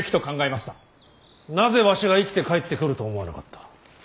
なぜわしが生きて帰ってくると思わなかった。